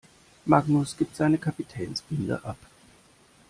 Magnus gibt seine Kapitänsbinde ab.